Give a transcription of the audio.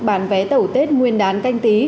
bán vé tẩu tết nguyên đán canh tí